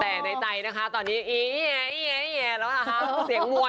แต่ในใจนะคะตอนนี้เอ้ยแล้วนะคะ